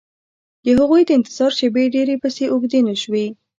د هغوی د انتظار شېبې ډېرې پسې اوږدې نه شوې